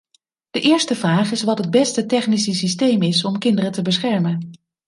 De eerste vraag is wat het beste technische systeem is om kinderen te beschermen.